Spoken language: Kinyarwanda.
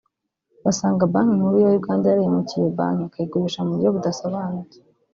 basanga Banki Nkuru ya Uganda yarahemukiye iyo Banki ikayigurisha mu buryo budasobanutse